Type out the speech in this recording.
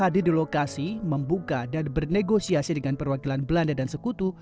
didelokasi membuka dan bernegosiasi dengan perwakilan belanda dan sekutu